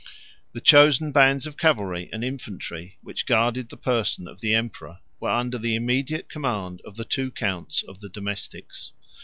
157 6, 7. The chosen bands of cavalry and infantry, which guarded the person of the emperor, were under the immediate command of the two counts of the domestics.